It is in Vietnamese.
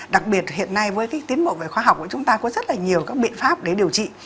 đặc biệt hiện nay với cái tiến bộ về khoa học chúng ta có rất là nhiều các biện pháp để điều trị